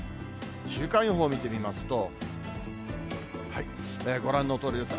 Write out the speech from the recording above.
週間予報見てみますと、ご覧のとおりです。